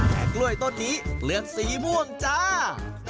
แต่กล้วยต้นนี้เลือดสีม่วงจ้า